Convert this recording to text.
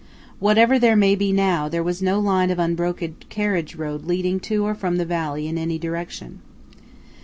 Whatever there may be now, there was then no line of unbroken carriage road leading to or from the valley in any direction.